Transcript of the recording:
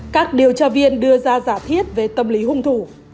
các điều tra viên đưa ra giả thiết về tâm lý hung thủ